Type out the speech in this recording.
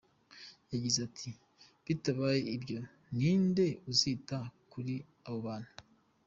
Yagize ati"Bitabaye ibyo ni nde uzita kuri abo bantu?”.